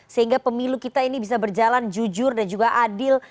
sehingga pemilu kita ini bisa berjalan jujur dan juga adil